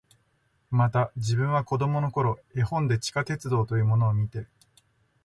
また、自分は子供の頃、絵本で地下鉄道というものを見て、